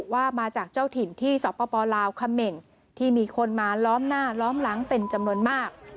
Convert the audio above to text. ว่ามาจากเจ้าถิ่นที่สปลาวเขม่นที่มีคนมาล้อมหน้าล้อมหลังเป็นจำนวนมาก